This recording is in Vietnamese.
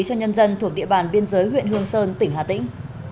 cho nhân dân thuộc địa bàn biên giới huyện hương sơn tỉnh hà tĩnh